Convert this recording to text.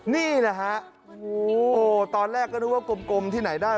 นี่นะฮะตอนแรกก็นึกว่ากลมที่ไหนได้